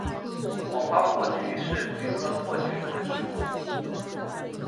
黄花珀菊是菊科珀菊属的植物。